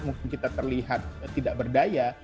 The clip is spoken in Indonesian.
mungkin kita terlihat tidak berdaya